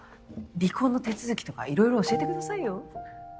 離婚の手続きとか色々教えてくださいよ。